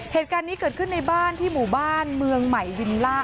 เหตุการณ์นี้เกิดขึ้นในบ้านที่หมู่บ้านเมืองใหม่วิลล่า